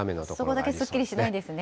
そこだけすっきりしないですね。